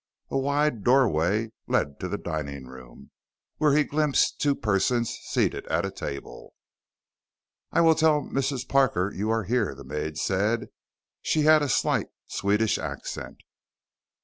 A wide doorway led to the dining room, where he glimpsed two persons seated at a table. "I vill tell Mrs. Parker you are here," the maid said. She had a slight Swedish accent.